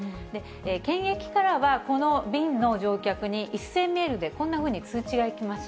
検疫からはこの便の乗客に、一斉メールでこんなふうに通知が行きます。